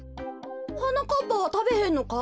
はなかっぱはたべへんのか？